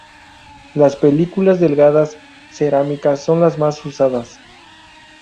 Las películas delgadas cerámicas son las más usadas.